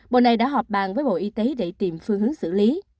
bộ này đã họp bàn với bộ y tế để tìm phương hướng xử lý